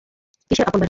কীসের আপন বাড়ি?